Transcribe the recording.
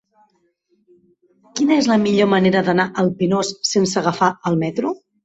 Quina és la millor manera d'anar al Pinós sense agafar el metro?